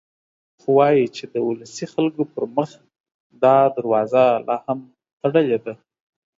خو وايي چې د ولسي خلکو پر مخ دا دروازه لا هم تړلې ده.